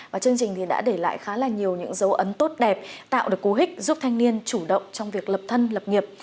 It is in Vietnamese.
và chương trình thì đã để lại khá là nhiều những dấu ấn tốt đẹp tạo được cố hích giúp thanh niên chủ động trong việc lập thân lập nghiệp